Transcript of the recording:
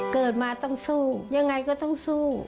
เกิดมาต้องสู้ยังไงก็ต้องสู้